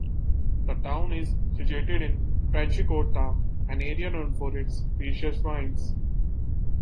The town is situated in Franciacorta, an area known for its precious wines.